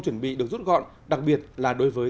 chuẩn bị được rút gọn đặc biệt là đối với